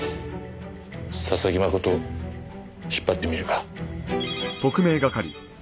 佐々木真人引っ張ってみるか。